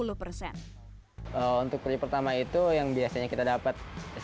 untuk periode pertama itu yang biasanya kita dapat